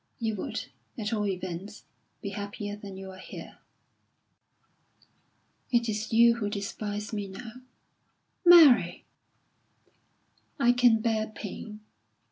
You would, at all events, be happier than you are here." "It is you who despise me now!" "Mary!" "I can bear pain.